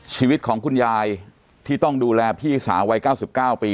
ชีวิตของคุณยายที่ต้องดูแลพี่สาววัย๙๙ปี